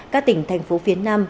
các tỉnh thành phố việt nam